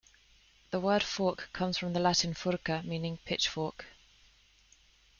The word "fork" comes from the Latin "furca", meaning "pitchfork".